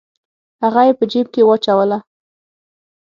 هغه یې په جیب کې واچوله.